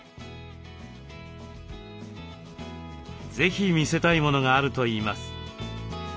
是非見せたいものがあるといいます。